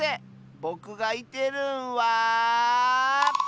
ぼくがいてるんは。